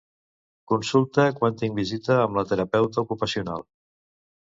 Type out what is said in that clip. Consulta quan tinc visita amb la terapeuta ocupacional.